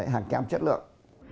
hàng kem chất lượng